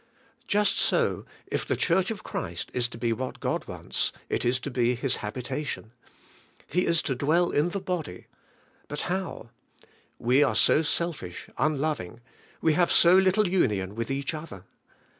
Just so, if the church of Christ is to be what God wants, it is to be His habitation. He is to dwell in the body, but how? We are so self ish, unloving; we have so little union with each other.